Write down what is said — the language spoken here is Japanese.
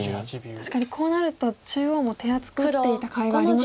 確かにこうなると中央も手厚く打っていたかいがありますね。